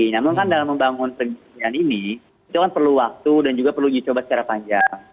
namun kan dalam membangun kegiatan ini itu kan perlu waktu dan juga perlu uji coba secara panjang